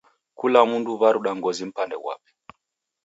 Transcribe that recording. Kula mndu waruda ngozi mpande ghwape.